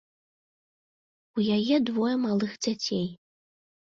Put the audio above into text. У яе двое малых дзяцей.